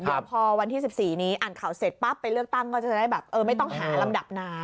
พอวันที่๑๔นี้อ่านข่าวเสร็จไปเลือกตั้งก็จะได้ไม่ต้องหารำดับนาน